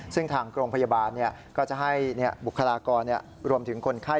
ซึ่งทางโรงพยาบาลก็จะให้บุคลากรรวมถึงคนไข้